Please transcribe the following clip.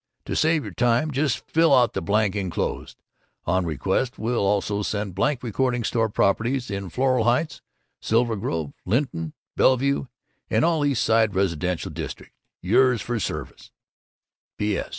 To save your time, just fill out the blank enclosed. On request will also send blank regarding store properties in Floral Heights, Silver Grove, Linton, Bellevue, and all East Side residential districts. Yours for service, P.S.